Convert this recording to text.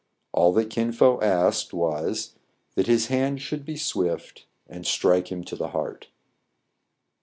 All that Kin Fo asked was, that his hand should be swift, and strike him to the heart.